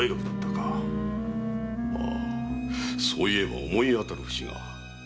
そういえば思い当たる節が。